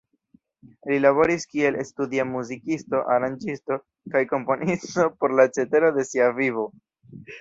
Li laboris kiel studia muzikisto, aranĝisto, kaj komponisto por la cetero de sia vivo.